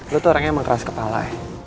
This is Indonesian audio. lo tuh orang yang mengkeras kepala ya